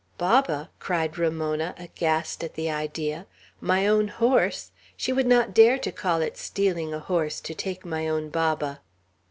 "Baba!" cried Ramona, aghast at the idea. "My own horse! She would not dare to call it stealing a horse, to take my own Baba!"